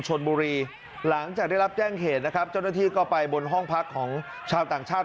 ชนบุรีหลังจากได้รับแจ้งเหตุนะครับเจ้าหน้าที่ก็ไปบนห้องพักของชาวต่างชาติ